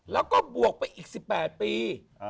แล้วก็บวกไปอีก๑๘ปี